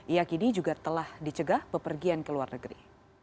ia kini juga telah dicegah bepergian ke luar negeri